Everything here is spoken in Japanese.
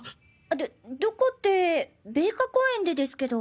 どどこって米花公園でですけど。